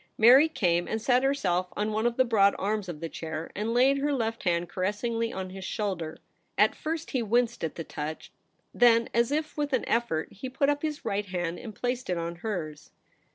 Mary came and sat herself on one of the broad arms of the chair, and laid her left hand caressingly on his shoulder. At first he winced at the touch ; then, as if with an effort, he put up his right hand and placed it on hers.